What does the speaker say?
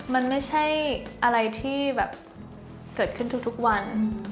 มันไม่ใช่อะไรที่แบบเกิดขึ้นทุกวัน